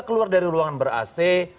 keluar dari ruangan ber ac